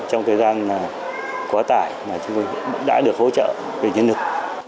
trong thời gian quá tải mà chúng tôi đã được hỗ trợ về nhân lực